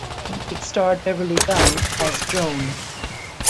It starred Beverly Dunn as Joan.